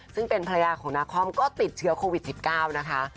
ซึ่งเป็นภรรยาของนาคอมก็ติดเชื้อโควิด๑๙นะคะ